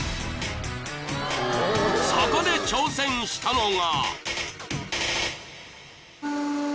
［そこで挑戦したのが］